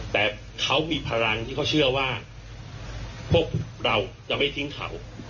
แต่เขามีพลังที่เขาเชื่อว่าพวกเราจะไม่ทิ้งเขา